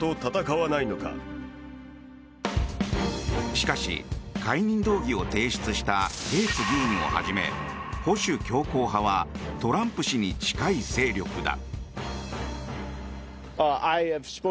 しかし、解任動議を提出したゲーツ議員をはじめ保守強硬派はトランプ氏に近い勢力だ。